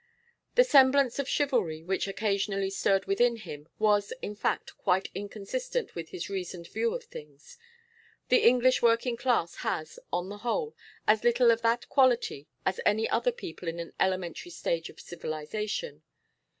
The semblance of chivalry which occasionally stirred within him was, in fact, quite inconsistent with his reasoned view of things; the English working class has, on the whole, as little of that quality as any other people in an elementary stage of civilisation.